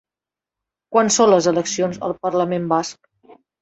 Quan són les eleccions al parlament basc?